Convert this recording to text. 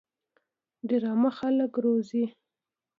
ډرامه خلک روزي